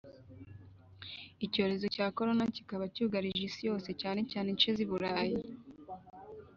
icyoreza cya corona kikaba cyugarije isi yose cyane cyane ince zuburayi